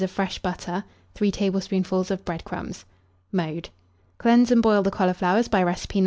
of fresh butter, 3 tablespoonfuls of bread crumbs. Mode. Cleanse and boil the cauliflowers by recipe No.